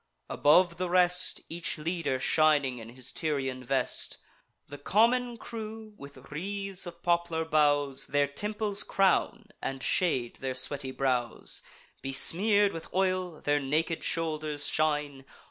Above the rest, Each leader shining in his Tyrian vest; The common crew with wreaths of poplar boughs Their temples crown, and shade their sweaty brows: Besmear'd with oil, their naked shoulders shine.